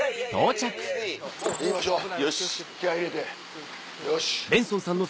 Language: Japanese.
行きましょう気合入れてよし。